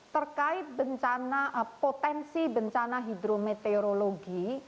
terkait bencana potensi bencana hidrometeorologi